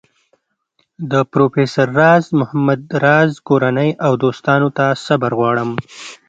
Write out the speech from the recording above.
د پروفیسر راز محمد راز کورنۍ او دوستانو ته صبر غواړم.